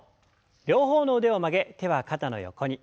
両方の腕を曲げ手は肩の横に。